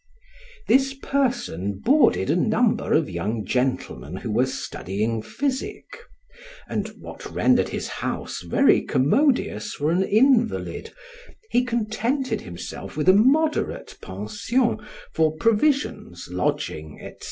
This person boarded a number of young gentlemen who were studying physic; and what rendered his house very commodious for an invalid, he contented himself with a moderate pension for provisions, lodging, etc.